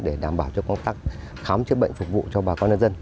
để đảm bảo cho công tác thám chấp bệnh phục vụ cho bà con nhân dân